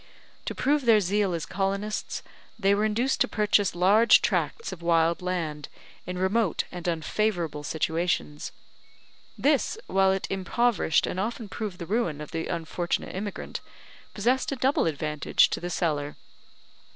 To prove their zeal as colonists, they were induced to purchase large tracts of wild land in remote and unfavourable situations. This, while it impoverished and often proved the ruin of the unfortunate immigrant, possessed a double advantage to the seller.